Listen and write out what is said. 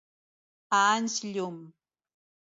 A anys llum.